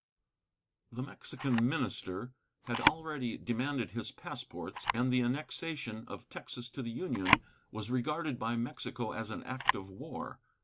The Mexican minister had already demanded his passports, and the annexation of Texas to the Union was regarded by Mexico as an act of war.